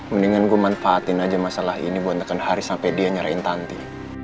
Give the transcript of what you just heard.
mendingan gua manfaatin aja masalah ini buat neken hari sampe dia nyerahin tanti